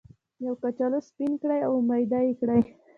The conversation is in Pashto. یو کچالو سپین کړئ او میده یې کړئ.